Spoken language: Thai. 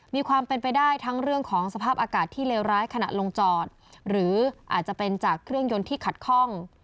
มีความเป็นไปได้ทั้งเรื่องของสภาพอากาศที่เลวร้ายขณะลงจอดหรืออาจจะเป็นจากเครื่องยนต์ที่ขัดข้อง